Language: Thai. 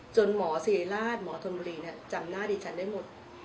หมอสิริราชหมอธนบุรีจำหน้าดิฉันได้หมด